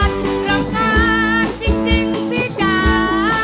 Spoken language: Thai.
เรื่องของจริงพี่จ๋า